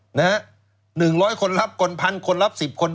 หนึ่งร้อยคนรับคนพันคนรับสิบคน